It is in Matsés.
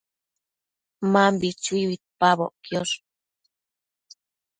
Mambi chui uidpaboc quiosh